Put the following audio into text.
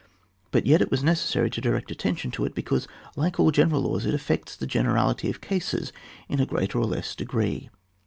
But yet it was necessary to direct attention to it, be cause, like all general laws, it affects the generality of cases in a greater or less degree.